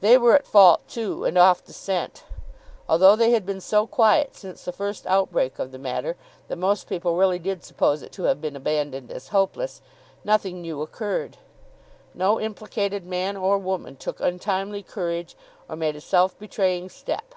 They were at fault too, and off the scent. Although they had been so quiet since the first outbreak of the matter, that most people really did suppose it to have been abandoned as hopeless, nothing new occurred. No implicated man or woman took untimely courage, or made a self betraying step.